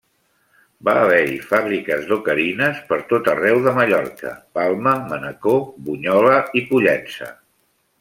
Va haver-hi fàbriques d’ocarines per tot arreu de Mallorca; Palma, Manacor, Bunyola i Pollença.